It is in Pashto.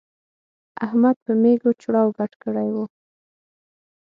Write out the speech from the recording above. احمد په مېږو چړاو ګډ کړی وو.